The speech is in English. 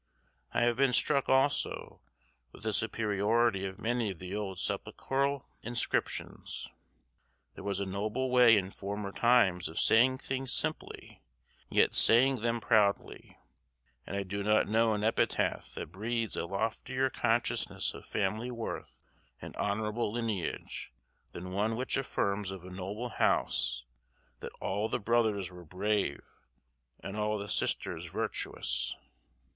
I have been struck, also, with the superiority of many of the old sepulchral inscriptions. There was a noble way in former times of saying things simply, and yet saying them proudly; and I do not know an epitaph that breathes a loftier consciousness of family worth and honorable lineage than one which affirms of a noble house that "all the brothers were brave and all the sisters virtuous."